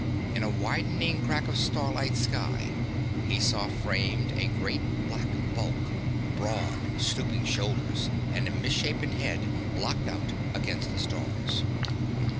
In a widening crack of starlit sky he saw framed a great black bulk, broad, stooping shoulders and a misshapen head blocked out against the stars.